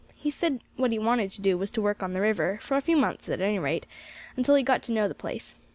He said what he wanted to do was to work on the river, for a few months at any rate, until he got to know the place.